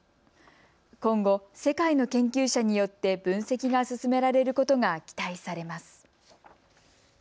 今後、世界の研究者によって分析が進められることが期待されます。